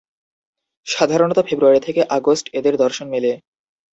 সাধারনত ফেব্রুয়ারি থেকে আগস্ট এদের দর্শন মেলে।